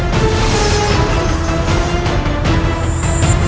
tuhan yang terbaik